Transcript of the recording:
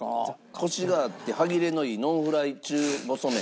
コシがあって歯切れのいいノンフライ中細麺。